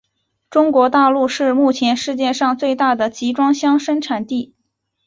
中国大陆是目前世界上最大的集装箱生产地。